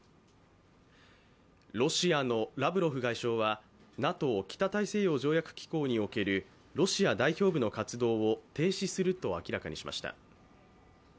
ロシアのラブロフ外相は、ＮＡＴＯ＝北大西洋条約機構におけるロシア代表部の活動を停止すると明らかにしました。